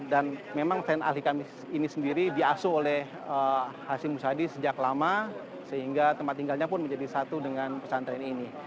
dan memang pesantren al hikam ini sendiri diasuh oleh hashim musadi sejak lama sehingga tempat tinggalnya pun menjadi satu dengan pesantren ini